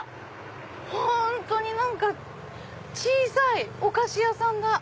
本当に何か小さいお菓子屋さんだ！